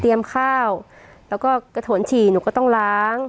ข้าวแล้วก็กระโถนฉี่หนูก็ต้องล้าง